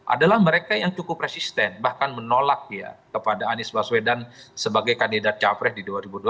adalah mereka yang cukup resisten bahkan menolak ya kepada anies baswedan sebagai kandidat capres di dua ribu dua puluh